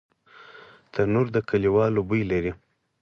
تنور د کلیوالو بوی لري